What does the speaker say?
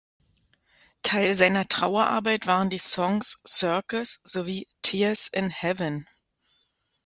Teil seiner Trauerarbeit waren die Songs "Circus" sowie "Tears in Heaven.